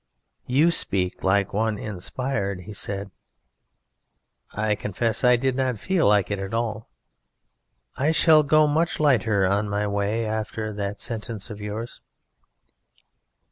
"You speak like one inspired," he said. (I confess I did not feel like it at all.) "I shall go much lighter on my way after that sentence of yours."